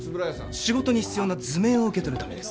仕事に必要な図面を受け取るためです